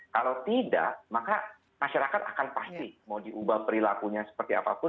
kalau tidak maka masyarakat akan pasti mau diubah perilakunya seperti apapun